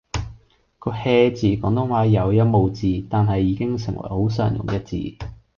個 hea 字廣東話有音無字，但係已經成為好常用嘅字